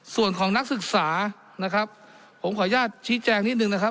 ส่วนของนักศึกษานะครับผมขออนุญาตชี้แจงนิดนึงนะครับ